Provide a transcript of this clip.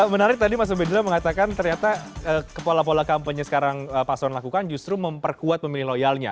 menarik tadi mas ubedula mengatakan ternyata kepala pola kampanye sekarang paslon lakukan justru memperkuat pemilih loyalnya